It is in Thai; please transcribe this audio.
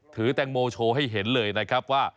แตงโมโชว์ให้เห็นเลยนะครับว่า